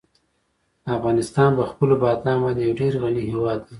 افغانستان په خپلو بادامو باندې یو ډېر غني هېواد دی.